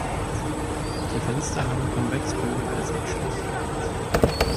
Die Fenster haben Konvexbögen als Abschluss.